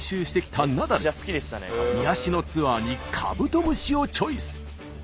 癒やしのツアーにカブトムシをチョイス。